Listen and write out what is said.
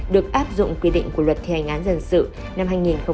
được áp dụng quy định của luật thi hành án dân sự năm hai nghìn tám